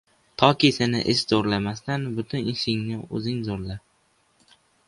Toki seni ish zo‘rlamasdan butun ishingni o‘zing zo‘rla.